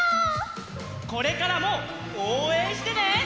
これからもおうえんしてね！